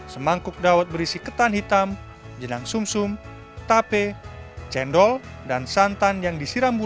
semangkuk daud berisi ketan hitam jenang sumsum tape cendol dan santan yang disiram bulu